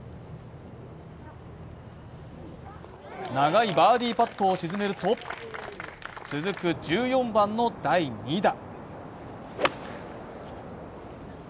長いバーディーパットを沈めると続く１４番の第２打。